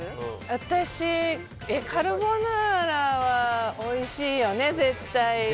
私、カルボナーラはおいしいよね、絶対。